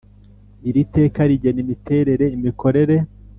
Iri teka rigena imiterere imikorere